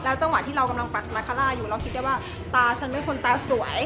จังหวะที่เรากำลังฝักมาคาร่าอยู่เราคิดได้ว่าตาฉันเป็นคนตาสวย